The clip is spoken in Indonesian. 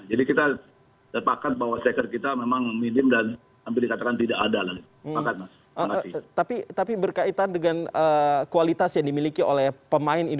jadi sinteyong tinggal fokus kepada pelatih pemain saja